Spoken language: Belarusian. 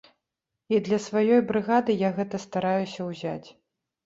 І для сваёй брыгады я гэта стараюся ўзяць.